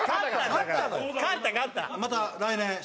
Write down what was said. また来年。